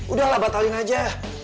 udahlah batalin aja